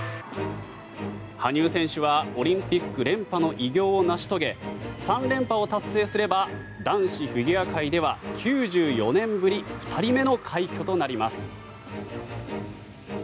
羽生選手はオリンピック連覇の偉業を成し遂げ３連覇を達成すれば男子フィギュア界では９４年ぶり２人目の快挙となります。